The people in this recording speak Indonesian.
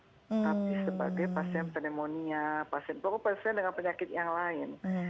tapi sebagai pasien pneumonia pasien pokoknya pasien dengan penyakit yang lain